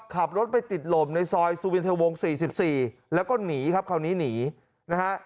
ขับรถไปติดหล่มในซอยสูบินเทวงสี่สิบสี่แล้วก็หนีครับเขานี้หนีนะฮะ